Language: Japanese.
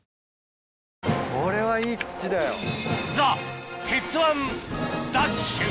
これはいい土だよ。